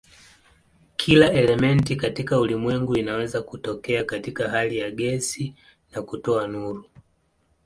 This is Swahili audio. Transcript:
Kila elementi katika ulimwengu inaweza kutokea katika hali ya gesi na kutoa nuru.